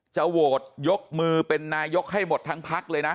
โหวตยกมือเป็นนายกให้หมดทั้งพักเลยนะ